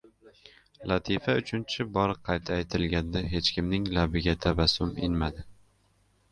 Latifa uchinchi bor qayta aytilganda hech kimning labiga tabassum inmadi.